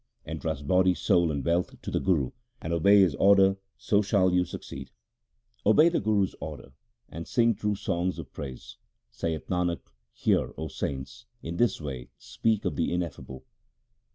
1 Entrust body, soul, and wealth to the Guru, and obey his order, so shall you succeed. Obey the Guru's order, and sing true songs 2 of praise — Saith Nanak, hear, O saints, in this way speak of the Ineffable.